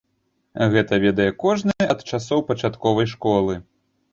Гэта ведае кожны ад часоў пачатковай школы.